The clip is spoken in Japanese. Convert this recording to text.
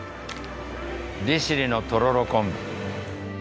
利尻のとろろ昆布。